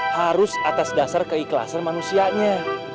harus atas dasar keikhlasan manusianya